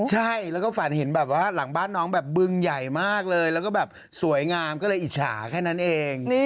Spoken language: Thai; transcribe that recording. ใช่แล้วก็ฝันเห็นแบบว่าหลังบ้านน้องแบบบึงใหญ่มากเลยแล้วก็แบบสวยงามก็เลยอิจฉาแค่นั้นเอง